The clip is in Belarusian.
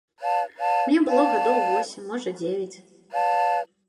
Мне было гадоў восем, можа, дзевяць.